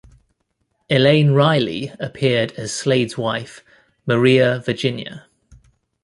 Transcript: Elaine Riley appeared as Slade's wife, Maria Virginia.